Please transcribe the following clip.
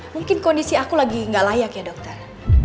mungkin kondisi aku lagi nggak layak ya dokter